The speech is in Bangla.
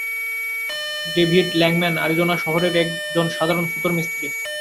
ডেভিড় ল্যাংম্যান আরিজোনা শহরের এক জন সাধারণ ছুতোর মিস্ত্রী।